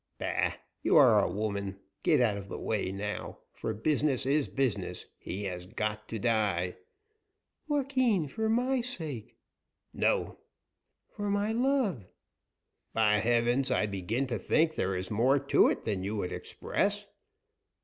"Bah! you are a woman. Get out of the way, now, for business is business. He has got to die " "Joaquin, for my sake " "No!" "For my love " "By heavens! I begin to think there is more to it than you would express.